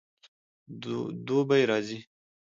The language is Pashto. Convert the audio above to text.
دوبی راځي